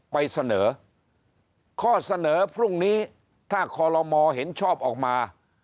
ไปเสนอข้อเสนอพรุ่งนี้ถ้าคอลโลมอเห็นชอบออกมา